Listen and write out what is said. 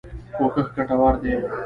کوښښ ګټور دی.